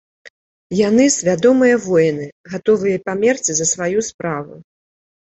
Яны свядомыя воіны, гатовыя памерці за сваю справу.